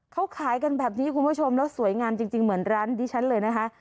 เขาขายกันแบบนี้คุณผู้ชมแล้วสวยงามจริงเหมือนร้านดิฉันเลยนะคะ